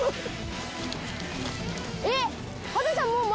えっ？